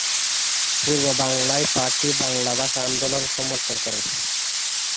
পূর্ববাংলায় party Bangla ভাষা আন্দোলন সমর্থন করে।